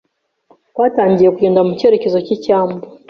Twatangiye kugenda mu cyerekezo cy'icyambu.